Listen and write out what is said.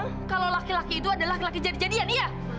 kalau laki laki itu adalah laki laki jadi jadian iya